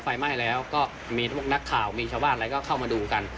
ไฟไหม้แล้วก็มีนักข่าวมีชาวบ้านอะไรก็เข้ามาดูกัน